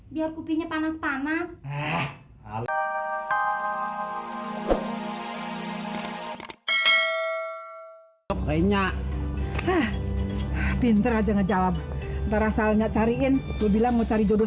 biar kupinya panas panas eh halnya pinter aja ngejawab ntar asalnya cariin lebih lama cari jodoh